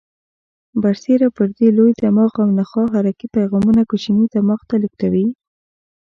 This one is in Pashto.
برسیره پر دې لوی دماغ او نخاع حرکي پیغامونه کوچني دماغ ته لېږدوي.